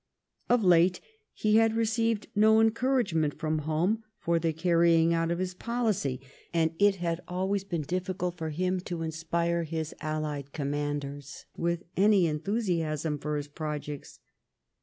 Of late he had received no encouragement from home for the carrying out of his policy, and it had always been difficult for him to inspire his alUed commanders with any enthusiasm for his projects.